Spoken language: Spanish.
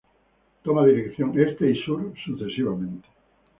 Toma dirección este y sur sucesivamente.